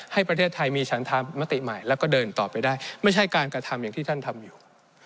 ให้ประเทศไทยมีฉันธรรมติใหม่แล้วก็เดินต่อไปได้ไม่ใช่การกระทำอย่างที่ท่านทำอยู่